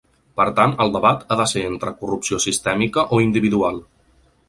Per tant, el debat ha de ser entre corrupció sistèmica o individual.